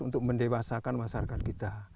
untuk mendewasakan masyarakat kita